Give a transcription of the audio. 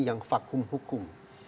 yang vakum hukum